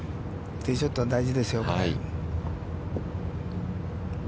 ティーショットは大事ですよ。